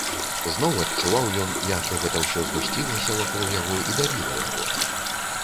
Зноў адчуваў ён, як бы гэта ўсё згусцілася вакол яго і давіла яго.